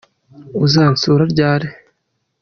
uzansura ryari